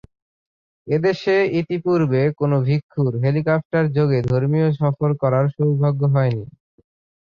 এদেশে ইতিপূর্বে কোনো ভিক্ষুর হেলিকপ্টার যোগে ধর্মীয় সফর করার সৌভাগ্য হয়নি।